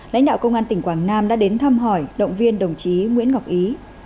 lãnh đạo công an tỉnh quảng nam đã đến thăm hỏi động viên đồng chí nguyễn ngọc ý